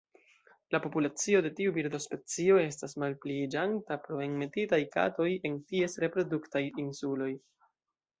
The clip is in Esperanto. La populacio de tiu birdospecio estas malpliiĝanta pro enmetitaj katoj en ties reproduktaj insuloj.